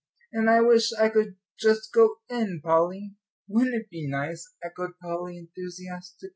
And I wish I could just go in, Polly." "Wouldn't it be nice?" echoed Polly, enthusiastically.